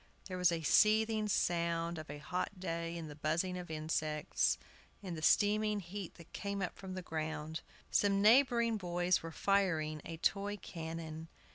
There was a seething sound of a hot day in the buzzing of insects, in the steaming heat that came up from the ground. Some neighboring boys were firing a toy cannon.